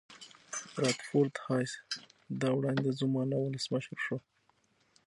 رادرفورد هایس دا وړاندیز ومانه او ولسمشر شو.